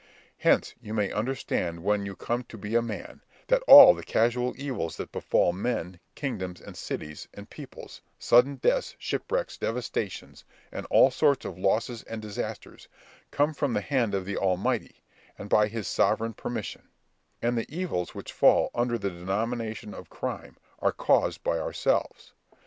Hence you may understand when you come to be a man, that all the casual evils that befal men, kingdoms, and cities, and peoples, sudden deaths, shipwrecks, devastations, and all sorts of losses and disasters, come from the hand of the Almighty, and by his sovereign permission; and the evils which fall under the denomination of crime, are caused by ourselves.